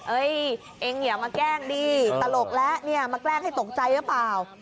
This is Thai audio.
เองอย่ามาแกล้งดีตลกแล้วเนี่ยมาแกล้งให้ตกใจหรือเปล่า